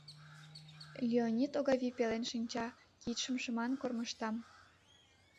Леонид Огавий пелен шинча, кидшым шыман кормыжта.